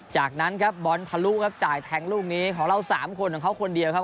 จากนั้นครับบอลทะลุครับจ่ายแทงลูกนี้ของเราสามคนของเขาคนเดียวครับ